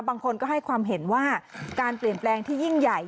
บางคนก็ให้ความเห็นว่าการเปลี่ยนแปลงที่ยิ่งใหญ่